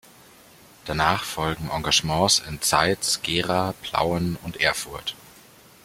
Danach folgten Engagements in Zeitz, Gera, Plauen und Erfurt.